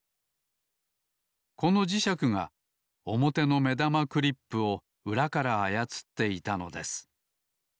この磁石がおもての目玉クリップをうらからあやつっていたのです。